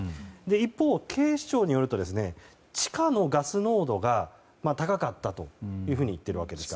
一方、警視庁によると地下のガス濃度が高かったといっているんです。